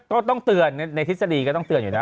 ต้องเตือนในทฤษฎีก็ต้องเตือนอยู่นะ